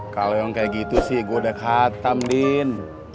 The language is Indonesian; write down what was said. kalau yang kayak gitu sih gue udah hatam din